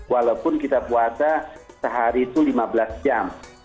walaupun kita puasa sehari itu lima belas jam